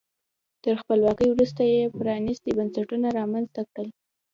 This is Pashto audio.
تر خپلواکۍ وروسته یې پرانیستي بنسټونه رامنځته کړل.